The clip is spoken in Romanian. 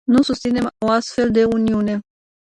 Nu susținem o astfel de uniune.